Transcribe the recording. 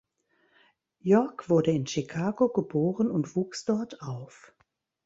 York wurde in Chicago geboren und wuchs dort auf.